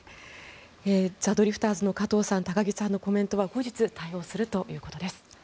ザ・ドリフターズの加藤さん、高木さんのコメントは後日対応するということです。